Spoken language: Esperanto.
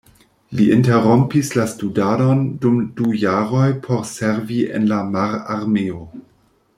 Li interrompis la studadon dum du jaroj por servi en la mararmeo.